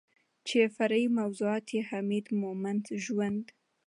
چې فرعي موضوعات يې حميد مومند ژوند